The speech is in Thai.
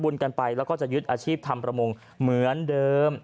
กันไปแล้วก็จะยึดอาชีพทำประมงเหมือนเดิม